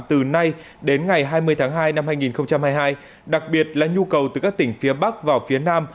từ nay đến ngày hai mươi tháng hai năm hai nghìn hai mươi hai đặc biệt là nhu cầu từ các tỉnh phía bắc vào phía nam